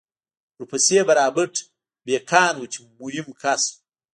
ورپسې به رابرټ بېکان و چې مهم کس و